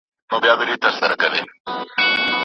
آيا تاريخي پرتله کول ګټه لري؟